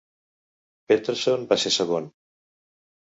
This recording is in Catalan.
Peterson va ser segon.